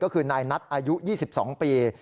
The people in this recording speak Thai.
ก็คือนายนัทอายุ๒๒ปี